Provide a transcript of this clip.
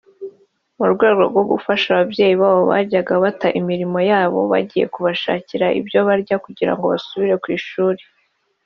mu rwego rwo gufasha ababyeyi babo bajyaga bata imirimo yabo bagiye kubashakira ibyo barya kugirango basubire ku ishuri